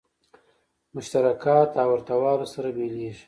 مشترکاتو او ورته والو سره بېلېږي.